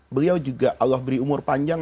beliau juga allah beri umur panjang